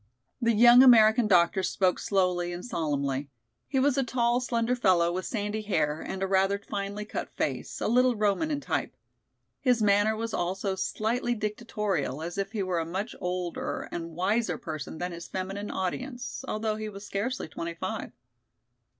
The young American doctor spoke slowly and solemnly. He was a tall slender fellow with sandy hair and a rather finely cut face, a little Roman in type. His manner was also slightly dictatorial, as if he were a much older and wiser person than his feminine audience, although he was scarcely twenty five.